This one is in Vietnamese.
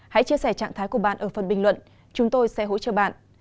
hãy chia sẻ trạng thái của bạn ở phần bình luận chúng tôi sẽ hỗ trợ bạn